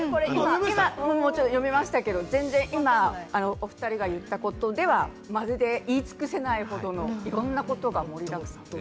私ももちろん読みましたけど、お２人が言った事ではまるで言い尽くせないほどのいろんなことが盛りだくさん。